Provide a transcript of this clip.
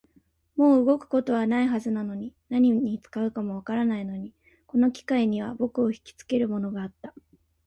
もう動くことはないはずなのに、何に使うかもわからないのに、この機械には僕をひきつけるものがあった